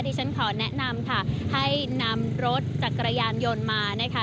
ฉันขอแนะนำค่ะให้นำรถจักรยานยนต์มานะคะ